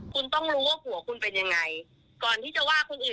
คุณต้องรู้ว่าหัวคุณเป็นยังไงก่อนที่จะว่าคนอื่น